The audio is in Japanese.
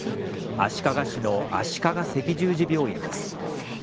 足利市の足利赤十字病院です。